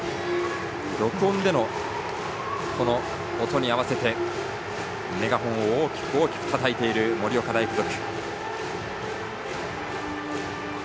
録音での、この音に合わせてメガホンを大きくたたいている盛岡大付属。